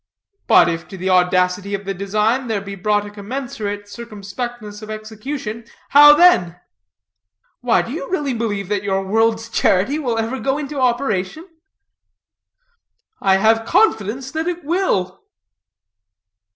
"But if to the audacity of the design there be brought a commensurate circumspectness of execution, how then?" "Why, do you really believe that your world's charity will ever go into operation?" "I have confidence that it will."